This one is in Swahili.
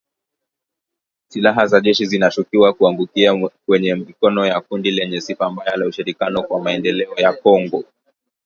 Silaha za jeshi zinashukiwa kuangukia kwenye mikono ya kundi lenye sifa mbaya la Ushirikiani kwa Maendeleo ya kongo